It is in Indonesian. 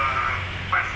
yang saya akan diberi manis